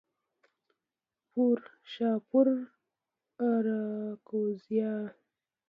پورشاپور، آراکوزیا